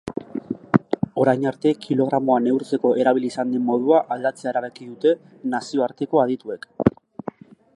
Orain arte kilogramoa neurtzeko erabili izan den modua aldatzea erabaki dute nazioarteko adituek.